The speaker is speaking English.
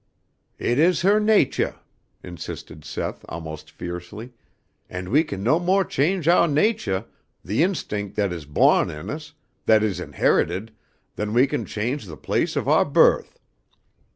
"It is her natuah," insisted Seth almost fiercely, "and we can no mo' change ouah natuah, the instinct that is bawn in us, that is inherited, than we can change the place of ouah birth.